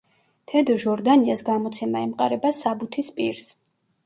თედო ჟორდანიას გამოცემა ემყარება საბუთის პირს.